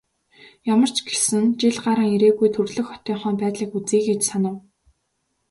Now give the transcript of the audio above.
Ямар ч гэсэн жил гаран ирээгүй төрөлх хотынхоо байдлыг үзье гэж санав.